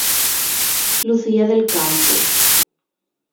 Lucía del Campo.